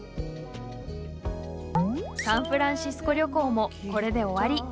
サンフランシスコ旅行もこれで終わり。